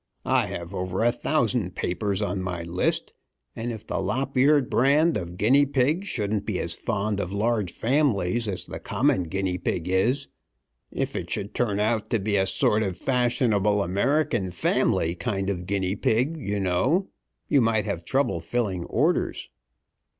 I have over a thousand papers on my list; and if the lop eared brand of guinea pig shouldn't be as fond of large families as the common guinea pig is if it should turn out to be a sort of fashionable American family kind of guinea pig, you know you might have trouble filling orders."